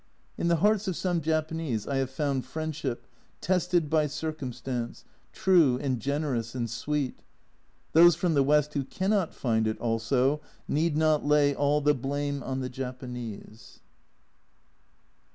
In the hearts of some Japanese I have found friendship, tested by circumstance, true, and generous, and sweet. Those from the West who cannot find it also need not lay all the blame on the Japanese.